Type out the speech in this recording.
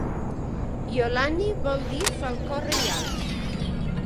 Iolani vol dir falcó reial.